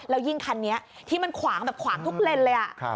แล้วยิ่งคันนี้ที่มันขวางแบบขวางทุกเลนเลย